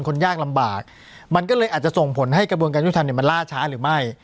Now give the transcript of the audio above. ยากลำบากมันก็เลยอาจจะส่งผลให้กระบวนการยุทธรรมเนี่ยมันล่าช้าหรือไม่